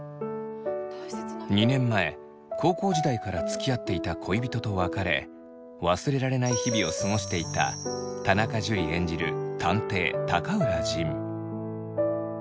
２年前高校時代からつきあっていた恋人と別れ忘れられない日々を過ごしていた田中樹演じる探偵高浦仁。